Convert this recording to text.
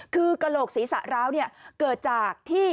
คือกะโหลกศีสาร้าวเนี่ยเกิดจากที่